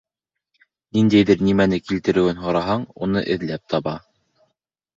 Ниндәйҙер нәмәне килтереүен һораһаң, уны эҙләп таба.